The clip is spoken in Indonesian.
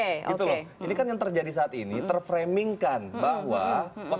gitu loh ini kan yang terjadi saat ini terframingkan bahwa dua kalah